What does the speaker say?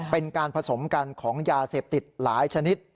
เป็นการผสมกันของยาเสพติดหลายชนิด